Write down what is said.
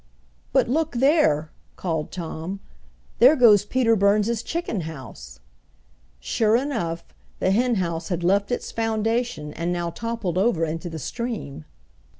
"But look there!" called Tom. "There goes Peter Burns' chicken house." Sure enough, the henhouse had left its foundation and now toppled over into the stream.